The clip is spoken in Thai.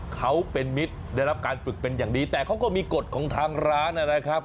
เขาเป็นมิตรได้รับการฝึกเป็นอย่างดีแต่เขาก็มีกฎของทางร้านนะครับ